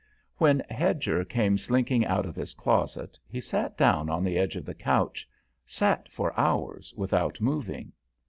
When Hedger came slinking out of his closet, he sat down on the edge of the couch, sat for hours without moving.